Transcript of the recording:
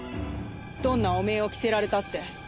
どんな汚名を着せられたって。